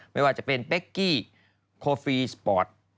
ไม่ว่าจะเป็นเป๊กกี้โคฟีสปอร์ต